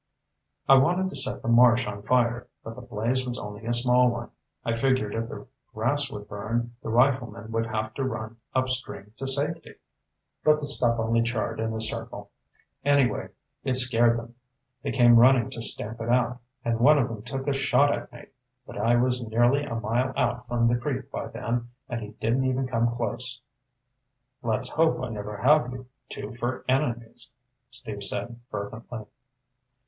"I wanted to set the marsh on fire, but the blaze was only a small one. I figured if the grass would burn, the riflemen would have to run upstream to safety. But the stuff only charred in a circle. Anyway, it scared them. They came running to stamp it out, and one of them took a shot at me. But I was nearly a mile out from the creek by then, and he didn't even come close." "Let's hope I never have you two for enemies," Steve said fervently.